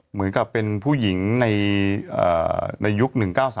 เหมือนกับเป็นผู้หญิงในยุค๑๙๓